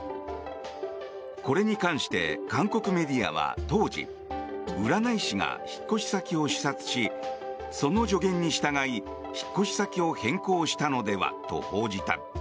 これに関して韓国メディアは当時占い師が引っ越し先を視察しその助言に従い引っ越し先を変更したのではと報じた。